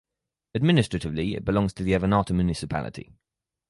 Administratively it belongs to the Avannaata municipality.